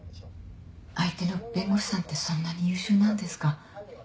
相手の弁護士さんってそんなに優秀なんですか？